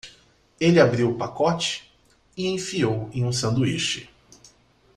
Ele abriu o pacote? e enfiou em um sanduíche.